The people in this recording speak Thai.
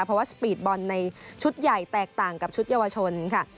เพราะว่าสปีดบอลในชุดใหญ่แตกต่างกับชุดเยาวชนค่ะ